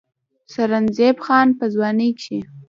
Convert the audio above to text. سرنزېب خان پۀ ځوانۍ کښې